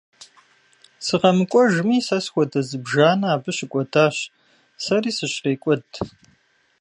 СыкъэмыкӀуэжми, сэ схуэдэ зыбжанэ абы щыкӀуэдащ, сэри сыщрекӀуэд.